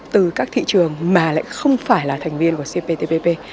từ các thị trường mà lại không phải là thành viên của cptpp